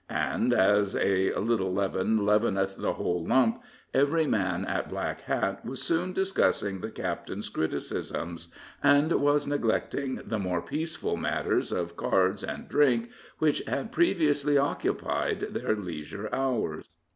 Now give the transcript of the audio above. And as a, little leaven leaveneth the whole lump, every man at Black Hat was soon discussing the captain's criticisms, and was neglecting the more peaceable matters of cards and drink, which had previously occupied their leisure hours.